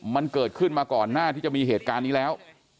มันเกิดขึ้นมาก่อนหน้าที่จะมีเหตุการณ์นี้แล้ว